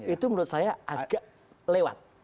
itu menurut saya agak lewat